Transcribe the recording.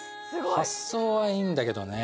発想はいいんだけどね